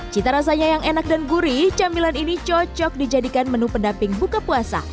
cita rasanya yang enak dan gurih camilan ini cocok dijadikan menu pendamping buka puasa